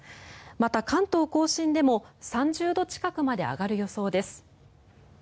また、関東・甲信でも３０度近くまで上がる予想です。